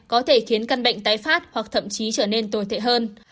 có thể khiến căn bệnh tái phát hoặc thậm chí trở nên tồi tệ hơn